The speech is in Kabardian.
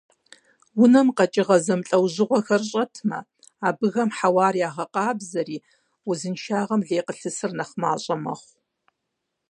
Унэм къэкӀыгъэ зэмылӀэужьыгъуэхэр щӀэтмэ, абыхэм хьэуар ягъэкъабзэри, узыншагъэм лей къылъысыр нэхъ мащӀэ мэхъу.